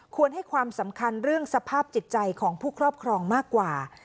ให้ความสำคัญเรื่องสภาพจิตใจของผู้ครอบครองมากกว่า